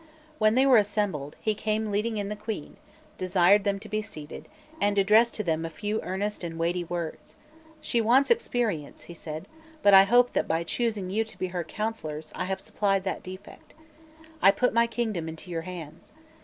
When they were assembled, he came leading in the Queen, desired them to be seated, and addressed to them a few earnest and weighty words. "She wants experience," he said; "but I hope that, by choosing you to be her counsellors, I have supplied that defect. I put my kingdom into your hands.